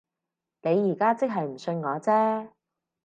你而家即係唔信我啫